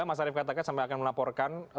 mas arief katakan sampai akan melaporkan